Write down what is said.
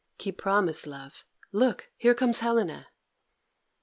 "Keep promise, love. Look! here comes Helena."